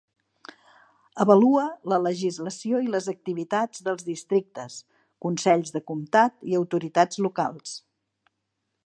Avalua la legislació i les activitats dels districtes, consells de comtat i autoritats locals